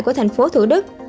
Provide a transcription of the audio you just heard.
của thành phố thủ đức